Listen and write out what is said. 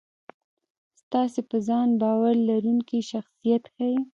ستاسې په ځان باور لرونکی شخصیت ښي.